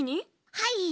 はい。